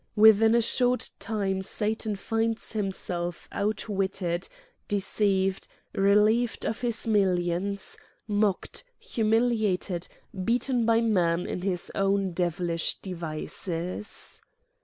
Within a short time Satan finds himself outwitted, deceived, relieved of his millions, mocked, humiliated, beaten by man in his own devilish devices.